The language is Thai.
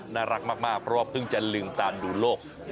น่ารักมากเพราะว่าเพิ่งจะลืมตามดูโลก